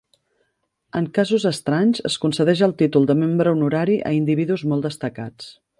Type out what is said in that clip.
En casos estranys, es concedeix el títol de membre honorari a individus molt destacats.